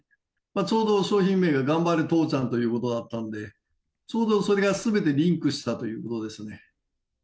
ちょうど商品名ががんばれ父ちゃんということだったんで、ちょうどそれがすべてリンクしたということですね。